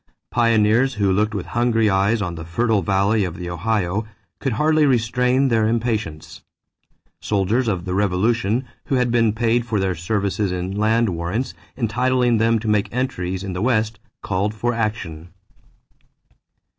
Pioneers who looked with hungry eyes on the fertile valley of the Ohio could hardly restrain their impatience. Soldiers of the Revolution, who had been paid for their services in land warrants entitling them to make entries in the West, called for action.